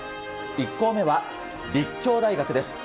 １校目は立教大学です。